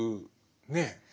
ねえ。